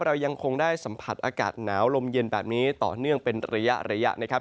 เรายังคงได้สัมผัสอากาศหนาวลมเย็นแบบนี้ต่อเนื่องเป็นระยะระยะนะครับ